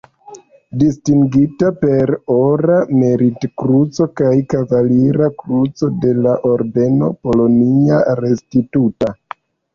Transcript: Distingita per Ora Merit-Kruco kaj Kavalira Kruco de la Ordeno "Polonia Restituta".